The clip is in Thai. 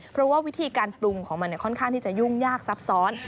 เพราะว่าวิธีการปรุงของมันค่อนข้างที่จะยุ่งยากซับซ้อน